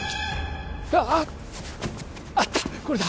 ああっあったこれだ